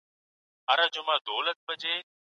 د څېړني نوې لارې به ډېر ژر ولټول سي.